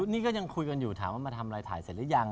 นี่ก็ยังคุยกันอยู่ถามว่ามาทำอะไรถ่ายเสร็จหรือยัง